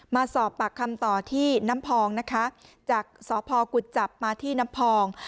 มาสอบปากคำต่อที่น้ำพองนะคะจากสพกุจจับมาที่น้ำพอง